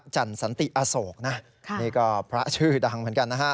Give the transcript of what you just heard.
จันสันติอโศกนะนี่ก็พระชื่อดังเหมือนกันนะฮะ